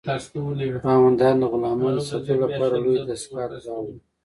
خاوندان د غلامانو د ساتلو لپاره لویې دستگاه ته اړ وو.